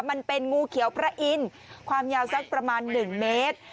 มันเป็นงูเขียวพระอินทร์ความยาวสักประมาณ๑เมตร